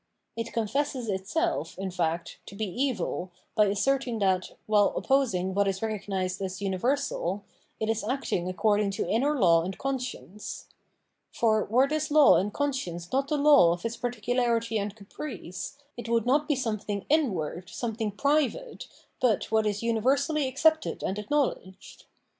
It confesses itself, in fact, to be evil by asserting that, while opposing what is recognised as universal, it is acting according to inner 672 Phenomenology of Mind law and conscience. For were this law and conscience not the law of its particularity and caprice, it would not be something inward, something private, but what is universally accepted and acknowledged.